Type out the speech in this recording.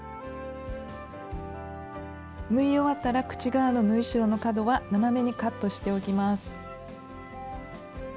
縫い終わったら口側の縫い代の角は斜めにカットしておきます。